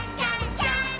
ジャンプ！！」